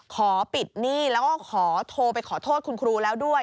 ขอปิดหนี้แล้วก็ขอโทรไปขอโทษคุณครูแล้วด้วย